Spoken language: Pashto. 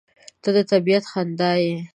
• ته د طبیعت خندا یې.